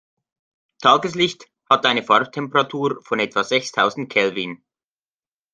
Tageslicht hat eine Farbtemperatur von etwa sechstausend Kelvin.